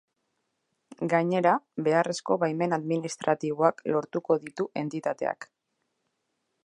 Gainera, beharrezko baimen administratiboak lortuko ditu entitateak.